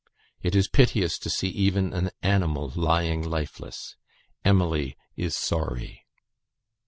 It is piteous to see even an animal lying lifeless. Emily is sorry."